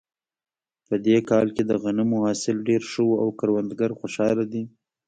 په دې کال کې د غنمو حاصل ډېر ښه و او کروندګر خوشحاله دي